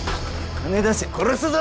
金出せ殺すぞ。